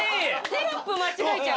テロップ間違えちゃう。